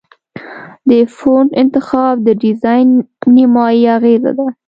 د فونټ انتخاب د ډیزاین نیمایي اغېزه ده.